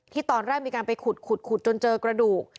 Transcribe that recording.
ตอนแรกมีการไปขุดขุดจนเจอกระดูก